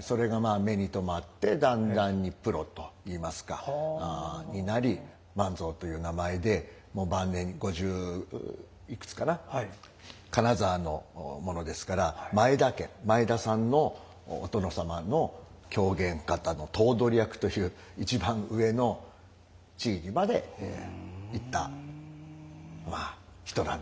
それがまあ目に留まってだんだんにプロといいますかになり万蔵という名前でもう晩年五十いくつかな金沢の者ですから前田家前田さんのお殿様の狂言方の棟取役という一番上の地位にまで行った人なんですね。